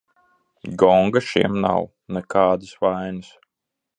Gonga šiem nav, nekādas vainas.